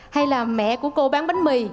hay là mẹ của cô bán bánh mì